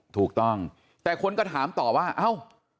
ถูกต้องแต่คนก็ถามต่อว่าเอ้า